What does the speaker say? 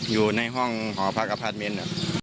อยู่ในห้องอยู่ในห้องหอพักอพาร์ทเมนต์